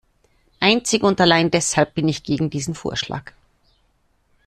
Einzig und allein deshalb bin ich gegen diesen Vorschlag.